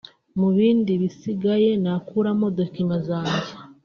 mu bindi bisigaye nakuramo documents zanye